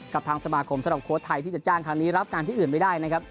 กับทางสมาคมสำหรับโค้ชไทยที่จะจ้างครั้งนี้รับงานที่อื่นไม่ได้นะครับ